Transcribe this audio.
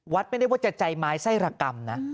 วัดไม่ได้ว่าจะใจไม้ไส้รกรรมนะ